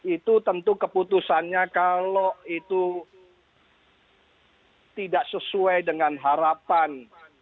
itu tentu keputusannya kalau itu tidak sesuai dengan harapan